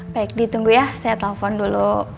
baik ditunggu ya saya telepon dulu